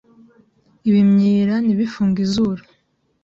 ibimyira ntibifunge izuru.